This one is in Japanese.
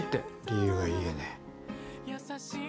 理由は言えねえ。